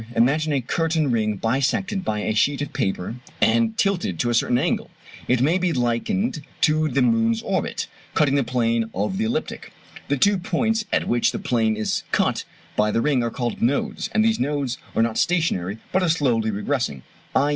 Imagine a curtain ring bisected by a sheet of paper, and tilted to a certain angle; it may be likened to the moon's orbit, cutting the plane of the ecliptic. The two points at which the plane is cut by the ring are called "nodes"; and these nodes are not stationary, but are slowly regressing, _i.